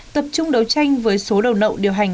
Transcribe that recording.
tập trung đấu tranh với số đầu nậu điều hành